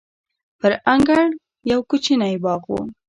په انګړ کې یو کوچنی باغ دی.